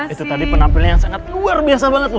itu tadi penampilan yang sangat luar biasa banget loh